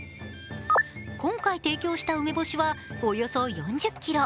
今回提供した梅干しはおよそ４０ｋｇ。